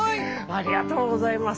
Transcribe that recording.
ありがとうございます。